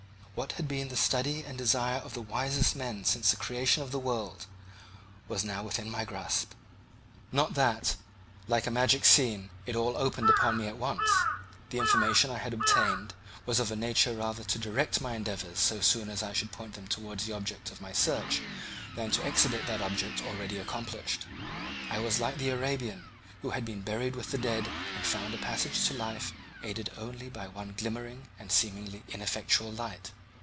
What had been the study and desire of the wisest men since the creation of the world was now within my grasp. Not that, like a magic scene, it all opened upon me at once: the information I had obtained was of a nature rather to direct my endeavours so soon as I should point them towards the object of my search than to exhibit that object already accomplished. I was like the Arabian who had been buried with the dead and found a passage to life, aided only by one glimmering and seemingly ineffectual light.